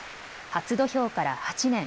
初土俵から８年。